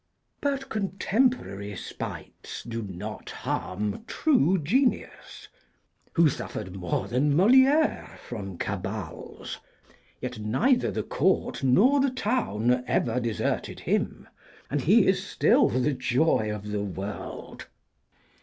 But contemporary spites do not harm true genius. Who suffered more than Moliére from cabals? Yet neither the court nor the town ever deserted him, and he is still the joy of the world.